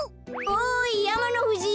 おいやまのふじ